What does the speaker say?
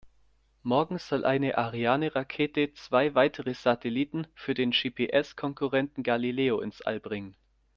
Morgen soll eine Ariane-Rakete zwei weitere Satelliten für den GPS-Konkurrenten Galileo ins All bringen.